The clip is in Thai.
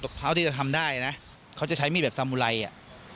พร้าวที่จะทำได้นะเขาจะใช้มีดแบบสามุไรอ่ะ